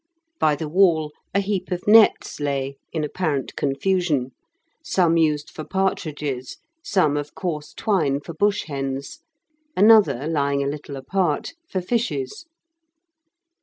By the wall a heap of nets lay in apparent confusion, some used for partridges, some of coarse twine for bush hens, another, lying a little apart, for fishes.